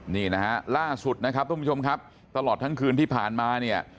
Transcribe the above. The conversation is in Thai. นี่นะฮะล่าสุดนะครับทุกผู้ชมครับตลอดทั้งคืนที่ผ่านมาเนี่ย